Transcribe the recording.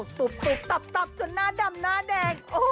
ตุ๊บตับจนหน้าดำหน้าแดง